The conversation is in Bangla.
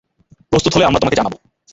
প্রস্তুত হলে আমরা তোমাকে জানাব।